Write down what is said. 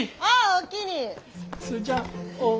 おおきに。